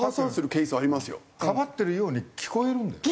かばってるように聞こえるんだよ。